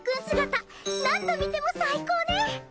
姿何度見ても最高ね！